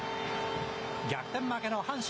逆転負けの阪神。